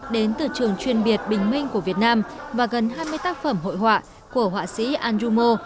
đến từ trường truyền biệt bình minh của việt nam và gần hai mươi tác phẩm hội họa của họa sĩ andrew mo